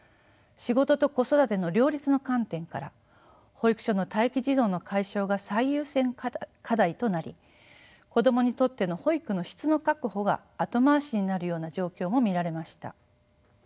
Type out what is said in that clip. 仕事と子育ての両立の観点から保育所の待機児童の解消が最優先課題となり子どもにとっての保育の質の確保が後回しになるような状況も見られました。